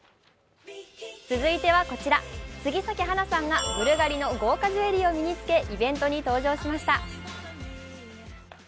続いてはこちら、杉咲花さんがブルガリの豪華ジュエリーを身につけイベントに登場しました。